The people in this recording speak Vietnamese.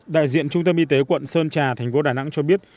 đại diện trung tâm y tế quận sơn trà thành phố đà nẵng cho biết